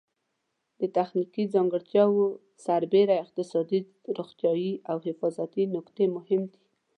د تخنیکي ځانګړتیاوو سربېره اقتصادي، روغتیایي او حفاظتي ټکي مهم دي.